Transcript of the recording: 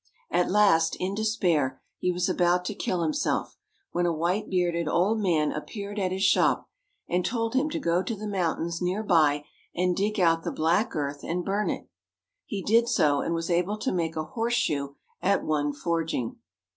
At last, in despair, he was about to kill himself, when a white bearded old man appeared at his shop, and told him to go to the mountains near by and dig out the black earth and burn it. He did so, and was able to make a horseshoe at one forging.